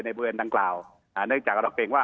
ในเบือนดังกล่าวเนื่องจากเราเตรียมว่า